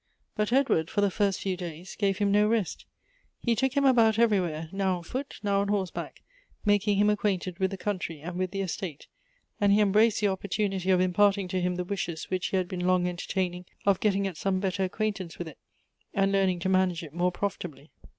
But Edward, for the first few days, gave him no rest. He took him about everywhere, now on foot, now on horseback, making him acquainted with the country and with the estate ; and he embraced the oppor tunity of impairing to him the wishes which he had been long entertaining, of getting some better acquaintance with it, and learning to manage it more profitably.